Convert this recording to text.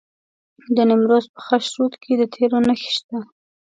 د نیمروز په خاشرود کې د تیلو نښې شته.